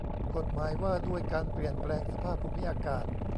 กฎหมายว่าด้วยการเปลี่ยนแปลงสภาพภูมิอากาศ